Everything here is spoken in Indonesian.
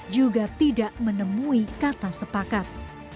juga tidak menemui kata sepakat